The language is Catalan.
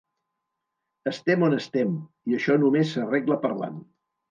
Estem on estem i això només s’arregla parlant.